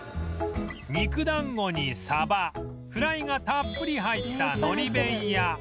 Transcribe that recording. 肉団子にサバフライがたっぷり入ったのり弁や